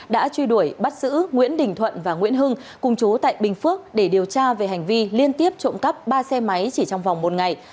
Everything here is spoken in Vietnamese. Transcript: đã truy đuổi bắt giữ nguyễn đình thuận và nguyễn hưng cùng chú tại bình phước để điều tra về hành vi liên tiếp trộm cắp ba xe máy chỉ trong vòng một ngày